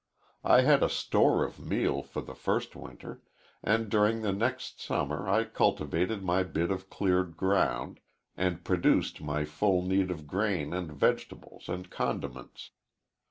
I had a store of meal for the first winter, and during the next summer I cultivated my bit of cleared ground, and produced my full need of grain and vegetables and condiments.